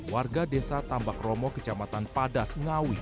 warga desa tambak romo kecamatan padas ngawi